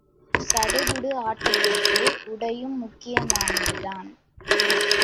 சடுகுடு ஆட்டத்திற்கு உடையும் முக்கியமானது தான்.